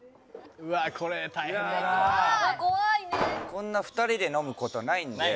「こんな２人で飲む事ないんで」